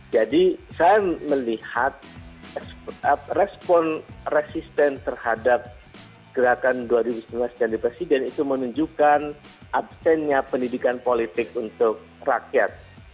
jadi saya melihat respon resisten terhadap gerakan dua ribu sembilan belas ganti presiden itu menunjukkan absennya pendidikan politik untuk rakyat